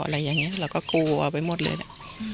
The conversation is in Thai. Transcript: อะไรอย่างนี้เราก็กลัวไปหมดเลยแหละ